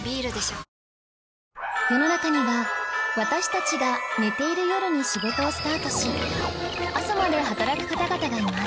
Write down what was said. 世の中には私たちが寝ている夜に仕事をスタートし朝まで働く方々がいます